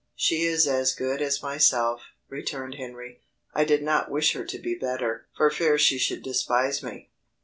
"She is as good as myself," returned Henry. "I did not wish her to be better, for fear she should despise me."